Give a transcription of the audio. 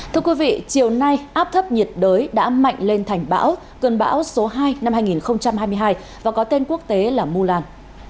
thưa quý vị chiều nay áp thấp nhiệt đới đã mạnh lên thành bão cơn bão số hai năm hai nghìn hai mươi hai và có tên quốc tế là mulan